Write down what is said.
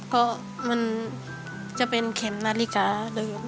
เพราะมันจะเป็นเข็มนาฬิกาเดิน